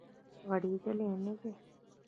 غړیدلې نه دی